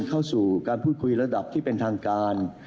เข้าสู่การพูดคุยระดับที่เป็นทางการ